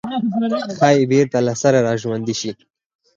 ښايي بېرته له سره راژوندي شي.